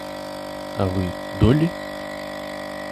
А вы, Долли?